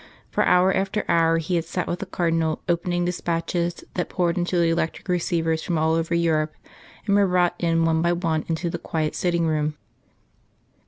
For hour after hour he had sat with the Cardinal, opening despatches that poured into the electric receivers from all over Europe, and were brought in one by one into the quiet sitting room.